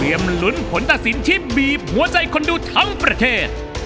เตรียมรุนผลตะศิลป์ที่บีบหัวใจคนดูทั้งประเทศ